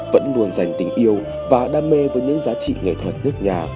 vẫn luôn dành tình yêu và đam mê với những giá trị nghệ thuật nước nhà